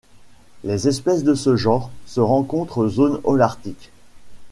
Les espèces de ce genre se rencontrent zone holarctique.